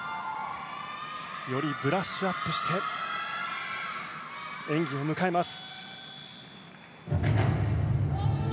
よりブラッシュアップして演技を迎えます。